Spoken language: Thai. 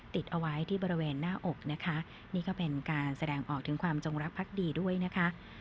ติดเอาไว้ที่บริเวณหน้าอกนะคะนี่ก็เป็นการแสดงออกถึงความจงรักพักดีด้วยนะคะ